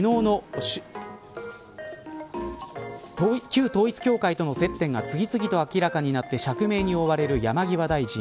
旧統一教会との接点が次々と明らかになって釈明に追われる山際大臣。